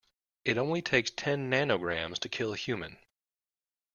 It only takes ten nanograms to kill a human.